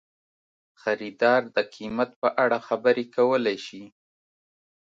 خریدار د قیمت په اړه خبرې کولی شي.